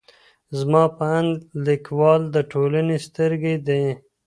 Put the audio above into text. زما په اند ليکوال د ټولني سترګې دي.